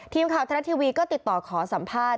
ทีมข่าวทรัฐทีวีก็ติดต่อขอสัมภาษณ์